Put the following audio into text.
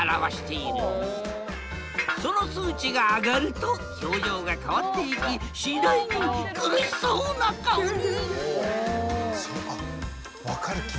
その数値が上がると表情が変わっていきしだいに苦しそうな顔に！